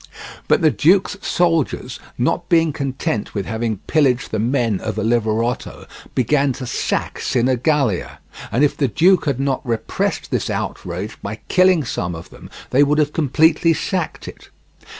But the duke's soldiers, not being content with having pillaged the men of Oliverotto, began to sack Sinigalia, and if the duke had not repressed this outrage by killing some of them they would have completely sacked it.